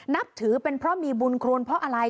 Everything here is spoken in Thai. นับถือเป็นเพราะมีบุญควรเพราะอะไร